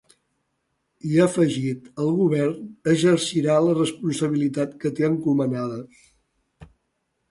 I ha afegit: El govern exercirà la responsabilitat que té encomanada.